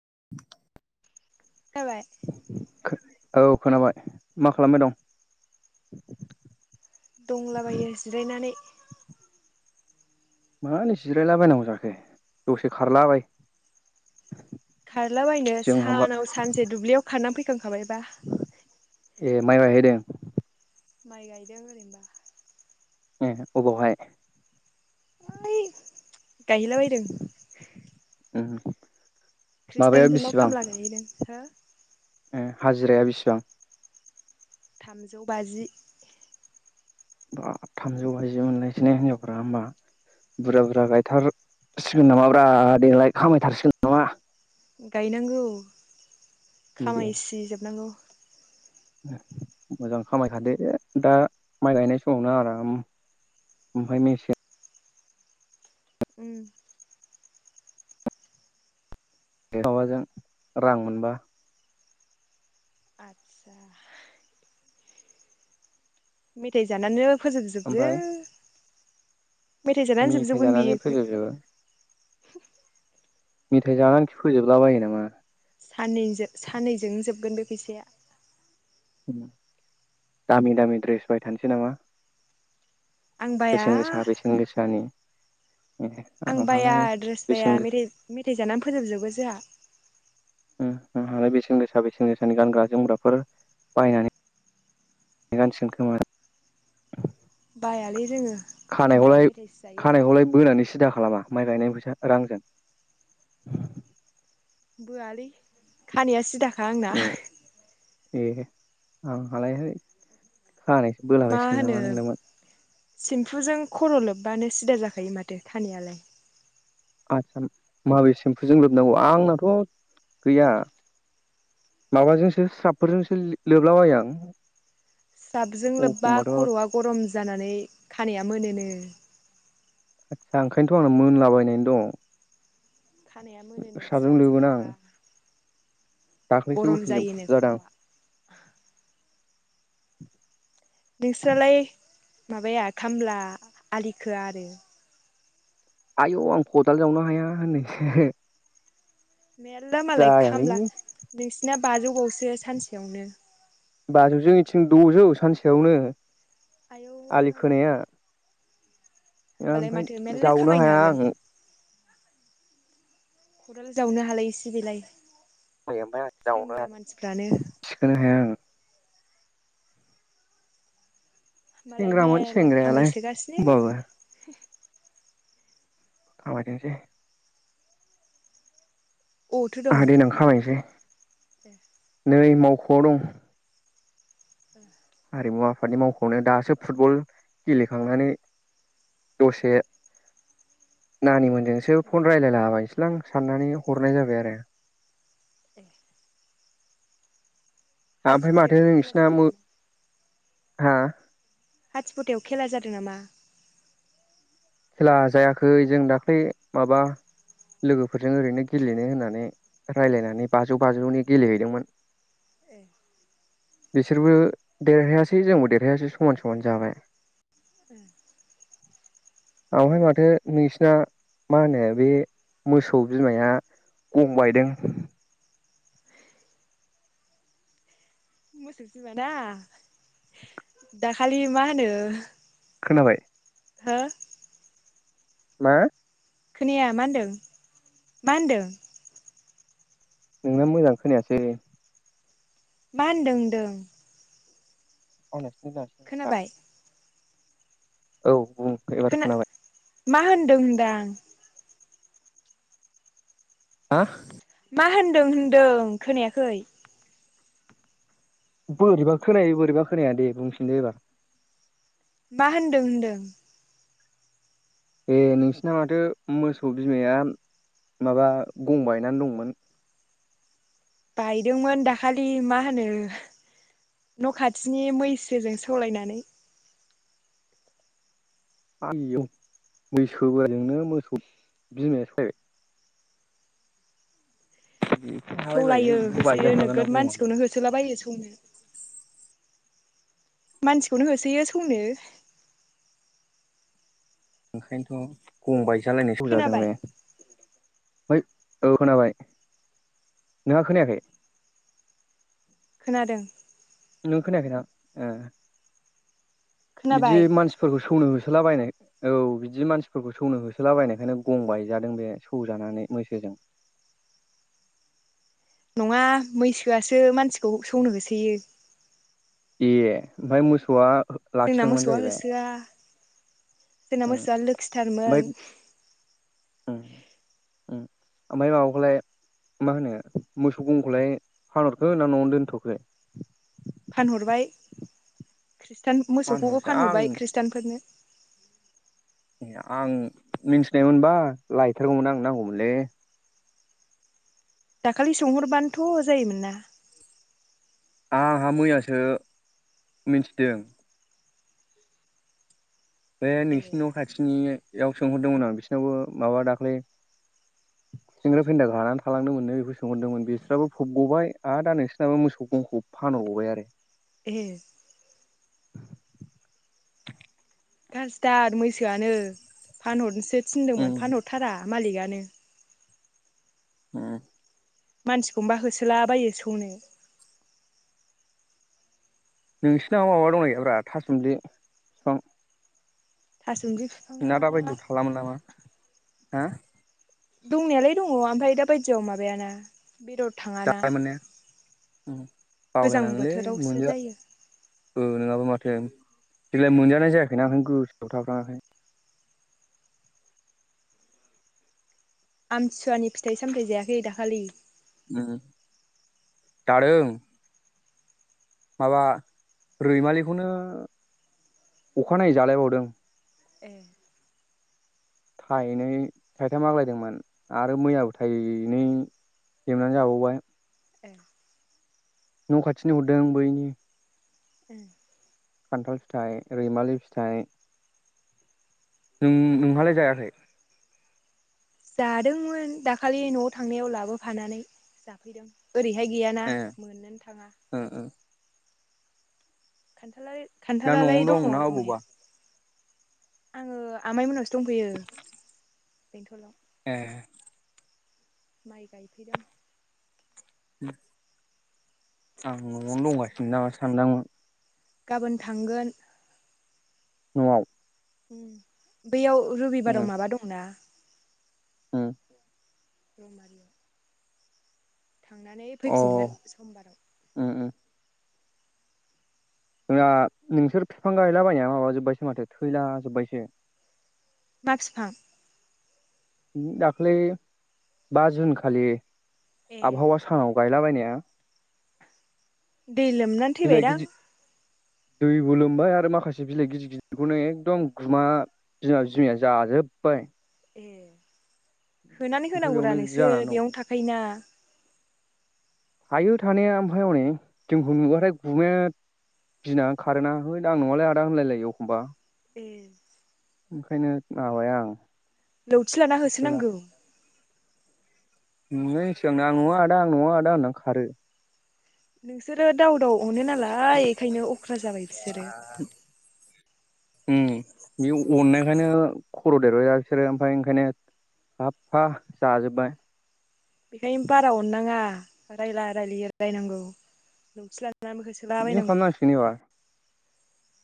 [inaudible] [unintelligible] औ खोनाबाय मा खालामबाय दं? दंलाबायो जिरायनानै मानो जिरायलाबायनांगौ जाखो दसे खारलाबाय खारलाबायनो जों हामबा सानाव सानसे दुब्लियाव खारनानै फैखांखाबायबा ए माइ गाहैदों माइ गायदों ओरैनोबा ए अबावहाय? ओइ गायहैला बायदों उम माबाया खृष्टानफोरनाव खामला गायहैदों हो ए हाजिराया बेसिबां? थामजौ बाजि। बाब थामजौ बाजि मोनलायसैना हिनजावफोरा होमबा बुरजा बुरजा गायथार सिगोन नामाब्रा देग्लायलाय खामायथारसिगोन नामा? गायनांगौ दे खामायसि जोबनांगौ मोजां खामायखादो दा माइ गायनाय समावनो आराम ओमफाय मेसे उम माबाजों रां मोनबा आथसा मेथाइ जानानै फोजोबजोबो ओमफ्राय मेथाइ जानानो जोबजोबगोन जानानै बियो फोजोबजोबो मेथाय जानानै फोजोबला बायो नामा? सानैजोब साननैजोंनो जोबगोन बे फैसाया। दामि दामि ड्रेस बायथानोसै नामा? आं बाया बेसेन गोसा बेसेन गोसानि ए आं बाया आंहालाय ड्रेस बेसेन बाया गोसा मेथाइ जा मेथाय जानानै फोजोबजोबगोन सो आं बेसेन गोसा बेसेन गोसानि गानग्रा जोमग्राफोर बायनानै गानसिगोन खोमा बायालै जोङो जा खानायखौलाय मेथाइसो जायो खानायखौलाय बोनानैसो सिदा खालामा माइ गायनायनि फैसा रांजों? बोआलै खानाया सिदाखा आंना ए ए आंहालाय खानायसो मा बोलाबायसिगोन होनो नामा नोंदोंमोन। सेम्फुजों खर' लोब्बानो सिदा जाखायो माथो खानायालाय। [unintelligible] माबे सेम्पुजों लोबनांगौ आंनाथ' गैया माबाजोंसो स्राबफोरजोंसो लोबलाबबाय आं। स्राबजों लोब्बा एखमबाथ' खर'आ गरम जानानै खानाया मोनोनो। आदसा ओंखायनोथ' आंनो मोनलाबायनायनै दं। खानाया मोनोनो स्राबजों लोबोना आं लोब्बा। दाख्लैसो गरम उखिलजों जायोनो फुजादां खर'आ। नोंस्रालाय माबाया खामला आलिखोआ आरो आयौ आं खदाल जावनो हाया होननायसो मेरला मालाय जायालै खामला नोंसिना बाजौबावसो सानसेयावनो बाजौजों इथिं द'जौ सानसेयावनो। आयौ आलि मालाय खोनाया होमबालाय ओमफ्राय माथो मेरला जावनो खामायनो हाया हागोन आं खदाल जावनो हालाय सै बेलाय ओमफ्राय आं सेंग्रा मानसिफ्रानो जावनोनानै थिखोनो हाया आङो मालाय सेंग्रामोन मेरला सेंग्रायालाय खामायसोगासिनो होमबाबो खामाय थोंसै अबावथो दं आंहा देनां ना खामायसै ए नै मावख'आव दं। ए हारिमु आफादनि मावखौनो दासो फुटबल गेलेखांनानै दसे नानि मोनजोंसो फन रायजलायला बायसैलां साननानै हरनाय जाबाय आरो। ए। ओमफ्राय माथो हाथिबुथायाव खेला नोंसिना जादों मो नामा हा हाथिबुथायाव खेला जादों नामा? खेला जायाखै जों दाख्लै माबा लोगोफोरजों ओरैनो गेलेनो होननानै ए रायलायनानै बाजौ बाजौनि गेलेहैदोंमोन। ए। बिसोरबो देरहायासै जोंबो देरहायासै समान समान जाबाय। ए। ओमफ्राय माथो नोंसिना मा होनो बे मोसौ बिमाया गं बायदों? मोसौ बिमाना दाखालि मा होनो खोनाबाय? हो? मा? खोनाया मा होनदों मा होनदों? नोंना मोजां खोनायासै। मा होनदों होन्दों? [unintelligible] ना? औ। एबार खोना खोनाबाय मा होनदों होनदां? हा? मा होनदों होनदों खोनायाखै? बोरैबा खोनायो बोरैबा खोनाया दे बुंफिनदो एबार। मा होनदों होनदों? ए नोंसिना माथो मोसौ बिमाया माबा गंबायायनानै दंमोन? बायदोंमोन दाखालि मा होनो न' खाथिनि मैसोजों सौलायनानै आइऔ मैसो बाजोंनो मोसौ बिमाया सफायबाय उम। सौलायो होसोयो नोगोद मानसिखौनो होसोलाबायो सौनो। मानसिखौनो होसोयो सौनो। ओंखायनोथ' गं बायजालायनाय सौजादों खोनाबाय बे। फाय औ खोनाबाय नोंहा खोनायाखै। खोनादों। नों खोनायाखैना ए बिदि खोनाबाय मानसिफोरखौ सौनो हो सोलाबायनाय औ बिदि मानसिफोरखौ सौनो होसोलाबायनायखायनो गं बायजादों बे सौजानानै मैसोजों। [inaudible] नङा मैसोआसो मानसिखौ सौनो होसोयो। ए ओमफ्राय मोसौआ जोंना लाखिदोंमोन मोसौआ जाहैबाय होसोआ। जोंना उम मोसौआ लोखिथारमोन। उम-उम ओमफ्राय माबाखौलाय मा होनो मोसौ गंखौलाय फानहरखो ना न'आवनो दोनथ'खो? फानहरबाय ख्रिस्टान मोसौखौबो फानहरसै आं फानहरबाय ख्रिस्टफोरनो ए आं मिन्थिनायमोनबा लायथारगौमोन आं नांगौमोनलै। दाखालि सोंहरबानोथ' जायोमोन ना। आंहा मैयासो मिथिदों। बे ए नोंसिनि न' खाथिनियाव सोंहरदोंमोन आं बिसोरनावबो माबा दाख्लै सेंग्रा फेन्दाखौ लाना थालांदों मोननो बेखौ सोंहरदोंमोन बिसोरनाबो फबग'बाय आरो दा नोंसोरनाबो मोसौ गंखौ फान हर बावबाय आरो। ए। गाज्रिदार मैसोआनो फानहरनोसो थिनदोंमोन उम फानहरथारा हा मालिकआनो। हम। मानसिखौनोबा होसोलाबायो सौनो। नोंसिनाव माबा दंना गैया ब्रा थासमलि बिफां। थासुमलि बिफाङा ना दा बायदियाव थालामोन नामा हो? दंनायालाय दङ ओमफ्राय दा बायदियाव माबायाना बेदर थाङाना। जानाय मोननाया उम गोजां बावलायलाङोलै बोथोरावसो मोनजा जायो ओ नङाबो माथो। देग्लाय मोनजानाय जायाखैना ओंखायनो गोसोआव थाफ्लाङाखै। आमथिसुवानि फिथाइ-सामथाय जायाखै दाखालि? उम जादों। माबा रैमालिखौनो अखानायै जालायबावदों। ए। [inaudible] थायनै थाइथाम आग्लायदोंमोन आरो मैयाबो थायनै लेबनानै जाबावबाय। ए न' खाथिनि हरदों बैनि खान्थाल फिथाइ, रैमालि फिथाइ। नों-नोंहालाय जायाखै? जादोंमोन दाखालि न'आव थांनायाव लाबोफानानै जाफैदों। ओरैहाय गैयाना ए मोननोनो थाङा। ओ ओ दा खान्थालालाय-खान्थालालाय न'आवनो दङ दं ना अबावबा दंनाया। आङो आमाइ मोनावसो दंफैयो बेंथ'लाव। ए। माइ गायफैदों। उम। आं न'आवनो दंगासिनो नामा सानदोंमोन गाबोन थांगोन न'आव। ओम बैयाव रबिबाराव उम माबा दंना उम [unintelligible] थांनानै अ फैफिनगोन समबाराव। उम उम जोंना नोंसोर बिफां गायलाबायनाया माबाजोबबायसो माथो थैला जोबबायसो। मा फिफां? दाख्लै बा जुन खालि ए आबहावा सानाव। गायलाबायनाया। दै लोमनानै बिलाइ थैबायदां गिदि दैबो लोमबाय आरो माखासे बिलाइ गिदिर गिदिरखौनो एकदम गुमा बिमा बिमाया जाजोब बाय। ए होनानै ओमफ्राय होनांगौरा बेयावनो बिदि नोंसोर जानानै दं बेयावनो थाखायोना। थायो थानाया ओमफाय हनै जोंखौ नुबाथाय गुमाया गिना खारो ना होट आं नङालै आदा होनलायलायो एखमबा ए ओंखायनो माबाया आं। लौथि लाना होसोनांगौ। नुनायनि सिगांनो आं नंआ आदा आं नंआ आदा होननानै खारो। नोंसोरो दाउ दाउ अनो नालाय बेखायनो अख्रा जाबाय बिसोरो। ओम बे अननायखायनो खर' देरबायबा बिसोरो ओमफाय ओंखायनो साफा जाजोब्बाय। बेखायनो बारा अननाङा रायला रायलि रायनांगौ लावथि बिदिनो खालामनांसिगोन एबार।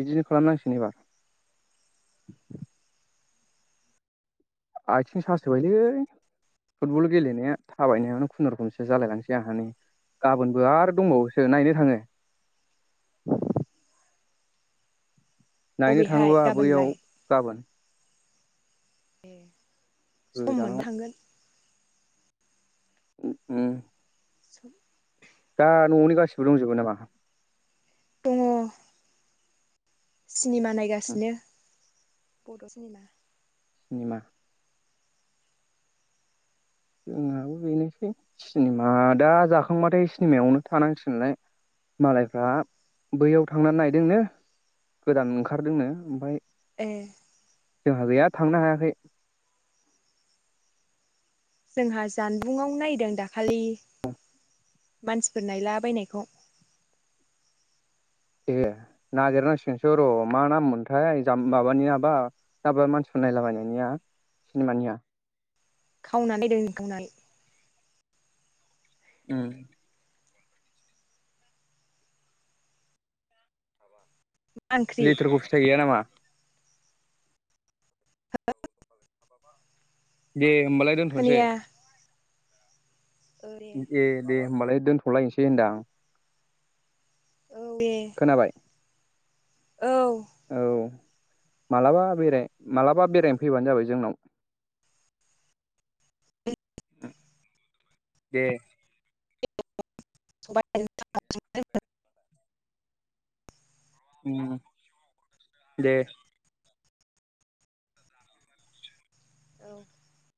बिदिनो खालामनांसिगोन एबार। आथिं सासोबायलै। फुटबल गेलेनाया थाबायनायावनो खुनुरुखुमसो जालाय लांसै आंहा नै। गाबोनबो आरो दंबावोसो नायनो थाङो। नायनो अबेहाय थाङोबा गाबोनलाय बैयाव गाबोन ए सम गोजानाव मोनबा थांगोन। ओ ओम। [unintelligible] दा न'नि गासिबो दंजोबो नामा? दङ। सिनेमा नायगासिनो बड' सिनेमा। सिनेमा जोंहाबो बेनोसै सिनेमा दा जाखांबाथाय सिनेमायावनो थानांसिगोनलाय। मालायफ्रा बैयाव थांनानै नायदोंनो गोदान ओंखारदोंनो ओमफाय ए। जोंहा गैया थांनो हायाखै। जोंहा जानबुंआव नायदों दाखालि। मानसिफोर नायला बायनायखौ। ए नागिरनांसिगोनसो र' मा नाम मोनथाय जाम्बा माबानिआबा मानसिफोर नायलाबायनायनिया सिनेमानिया खावनानै दोन खावनानै ओम मा ओंख्रि लेथुखु फिथाइ गैया नामा? हेलौ दे होमबालाय दोनथ'सै। खोनाया औ दे ए दे होनबालाय दोनथ'लायसै होनदां। औ दे खोनाबाय औ मालाबा बेराय माबलाबा बेरायनो फैबानो जाबाय जोंनाव [inaudible] दे [unintelligible] उम दे [inaudible]